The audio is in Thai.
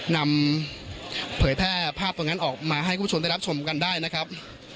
เผยแพร่ภาพตรงนั้นออกมาให้คุณผู้ชมได้รับชมกันได้นะครับ